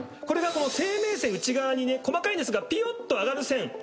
これが生命線内側にね細かいんですがピヨッと上がる線。